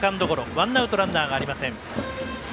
ワンアウトランナーがありません。